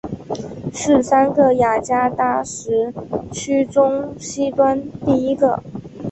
是三个雅加达时区中西端第一个。